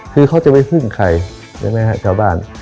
คือเขาจะไปพึ่งใครใช่ไหมฮะชาวบ้าน